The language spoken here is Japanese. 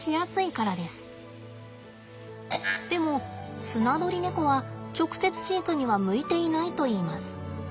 でもスナドリネコは直接飼育には向いていないといいます。